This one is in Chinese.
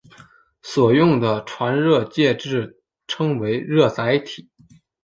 所用的传热介质称为热载体。